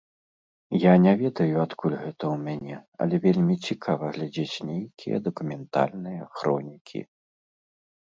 Я не ведаю, адкуль гэта ў мяне, але вельмі цікава глядзець нейкія дакументальныя хронікі.